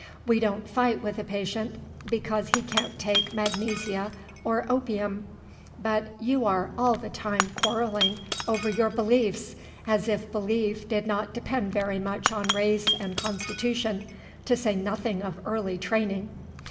We don't fight with a patient because he can't take magnesia or opium; but you are all the time quarrelling over your beliefs, as if belief did not depend very much on race and constitution, to say nothing of early training."